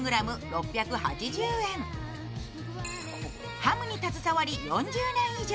ハムに携わり４０年以上。